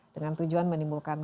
dengan tujuan menimbulkan